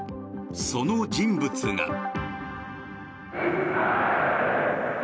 その人物が。